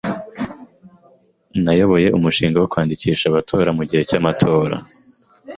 Nayoboye umushinga wo kwandikisha abatora mugihe cyamatora